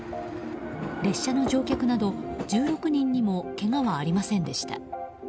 列車の乗客など１６人にもけがはありませんでした。